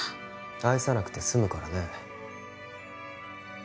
愛さなくてすむからねえ